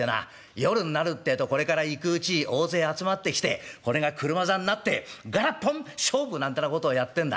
夜んなるってえとこれから行くうち大勢集まってきてこれが車座になって『ガラポン勝負！』なんてなことをやってんだ。